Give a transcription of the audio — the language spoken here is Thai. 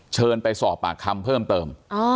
เชิญไปสอบปากคำเพิ่มเติม